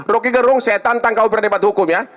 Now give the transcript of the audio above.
roky gerung saya tantang kau berdebat hukum ya